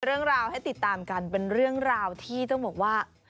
เรื่องราวให้ติดตามกันเป็นเรื่องราวที่ต้องบอกว่า